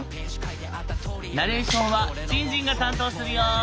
ナレーションはじんじんが担当するよ！